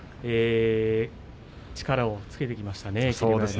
力をつけてきましたね、霧馬山。